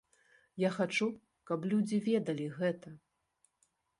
Я хачу, каб людзі ведалі гэта.